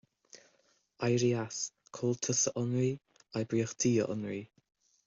Éirí as; Comhaltas a Fhionraí; Oibríochtaí a Fhionraí.